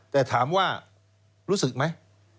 แต่ถามว่ารู้สึกไหม